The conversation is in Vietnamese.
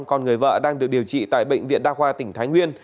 còn người vợ đang được điều trị tại bệnh viện đa khoa tỉnh thái nguyên